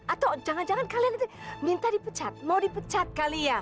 atau jangan jangan kalian itu minta dipecat mau dipecat kalian